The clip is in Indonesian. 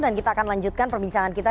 dan kita akan lanjutkan perbincangan kita